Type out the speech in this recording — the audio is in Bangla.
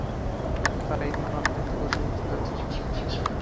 তারা এই হামলা প্রতিহত করতে প্রস্তুত আছে?